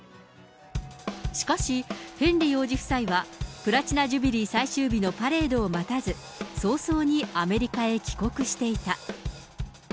しかし、ヘンリー王子夫妻はプラチナ・ジュビリー最終日のパレードを待たず、早々にアメリカへ帰国していた。